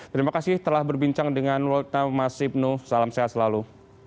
terima kasih telah berbincang dengan world now mas ibnu salam sehat selalu